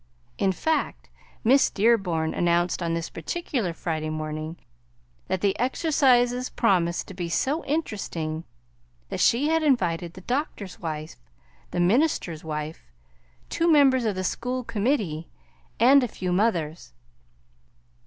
In fact, Miss Dearborn announced on this particular Friday morning that the exercises promised to be so interesting that she had invited the doctor's wife, the minister's wife, two members of the school committee, and a few mothers.